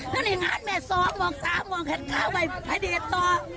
แล้วนี่งานไหมสองสามหลายไปต่อ